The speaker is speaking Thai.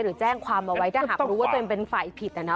หรือแจ้งความเอาไว้ถ้าหากรู้ว่าตัวเองเป็นฝ่ายผิดนะ